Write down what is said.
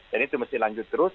jadi itu harus lanjut terus